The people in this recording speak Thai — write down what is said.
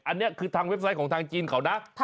อันนี้คือทางเว็บไซต์ของทางจีนเขานะ